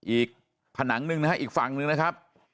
อีกผนังหนึ่งนะฮะอีกฝั่งหนึ่งนะครับ